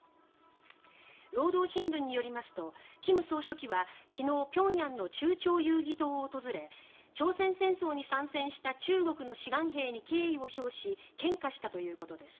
労働新聞によりますと金総書記は昨日、平壌の中朝友誼塔を訪れ朝鮮戦争に参戦した中国の志願兵に敬意を表し献花したということです。